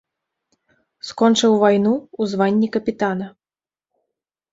Скончыў вайну ў званні капітана.